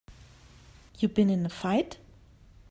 You been in a fight?